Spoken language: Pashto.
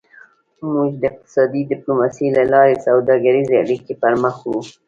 موږ د اقتصادي ډیپلوماسي له لارې سوداګریزې اړیکې پرمخ وړو